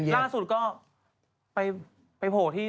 ล่าสุดก็ไปโผล่ที่